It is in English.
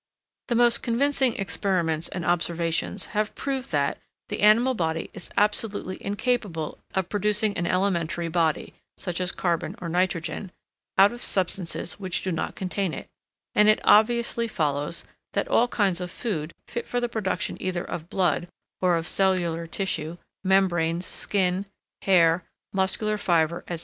The most convincing experiments and observations have proved that the animal body is absolutely incapable of producing an elementary body, such as carbon or nitrogen, out of substances which do not contain it; and it obviously follows, that all kinds of food fit for the production either of blood, or of cellular tissue, membranes, skin, hair, muscular fibre, &c.